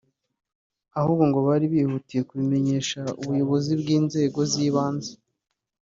ahubwo ngo bari bihutiye kubimenyesha ubuyobozi bw’inzego z’ibanze